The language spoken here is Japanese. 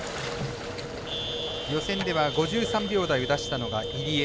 予選では５３秒台を出したのが入江。